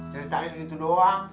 ceritanya segitu doang